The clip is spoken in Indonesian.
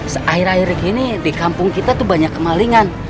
seakhir akhir gini di kampung kita tuh banyak kemalingan